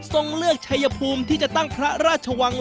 เลือกชัยภูมิที่จะตั้งพระราชวัง